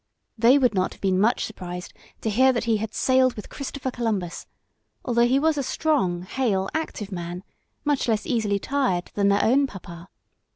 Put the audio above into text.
They would not have been much surprised to hear that he had sailed with Christopher Columbus, though he was a strong, hale, active man, much less easily tired than their own papa.